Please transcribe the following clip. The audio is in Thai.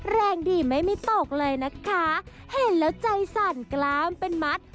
แรงดีไม่มีตกเลยนะคะเห็นแล้วใจสั่นกล้ามเป็นมัด